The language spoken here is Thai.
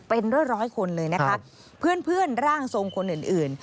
เป็นร้อยคนเลยนะคะเพื่อนร่างทรงคนอื่น